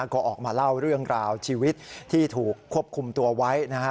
ก็ออกมาเล่าเรื่องราวชีวิตที่ถูกควบคุมตัวไว้นะฮะ